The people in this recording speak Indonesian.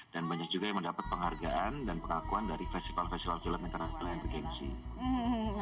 dan banyak juga yang mendapat penghargaan dan pengakuan dari festival festival film internasional yang bergengsi